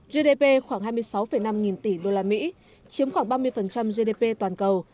gdp khoảng hai mươi sáu năm nghìn tỷ usd chiếm khoảng ba mươi gdp toàn cầu